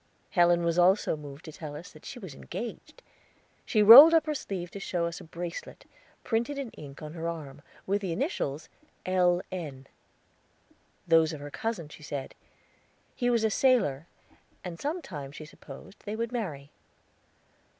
Helen was also moved to tell us that she was engaged. She rolled up her sleeve to show us a bracelet, printed in ink on her arm, with the initials, "L.N." Those of her cousin, she said; he was a sailor, and some time, she supposed, they would marry.